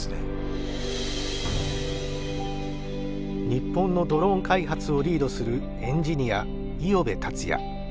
日本のドローン開発をリードするエンジニア五百部達也。